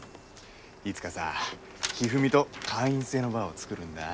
いつかさひふみと会員制のバーを作るんだ。